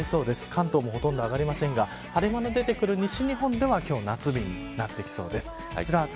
関東もほとんど上がりませんが晴れ間のでてくる西日本は夏日になってきそうです。